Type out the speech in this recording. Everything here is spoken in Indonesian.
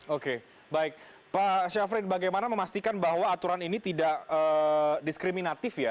oke baik pak syafrin bagaimana memastikan bahwa aturan ini tidak diskriminatif ya